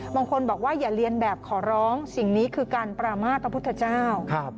บางคนบอกว่าอย่าเรียนแบบขอร้องสิ่งนี้คือการประมาทพระพุทธเจ้า